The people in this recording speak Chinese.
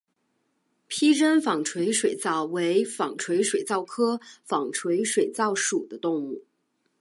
披针纺锤水蚤为纺锤水蚤科纺锤水蚤属的动物。